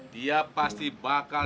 dia pasti bakal